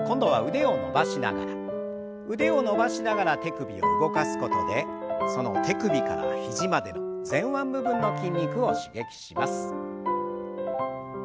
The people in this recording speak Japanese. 腕を伸ばしながら手首を動かすことでその手首から肘までの前腕部分の筋肉を刺激します。